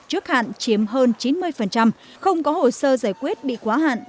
trước hạn chiếm hơn chín mươi không có hồ sơ giải quyết bị quá hạn